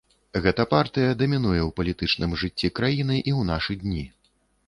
Гэтая партыя дамінуе ў палітычным жыцці краіны і ў нашы дні.